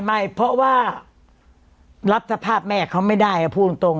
ไม่เพราะว่ารับสภาพแม่เขาไม่ได้พูดตรง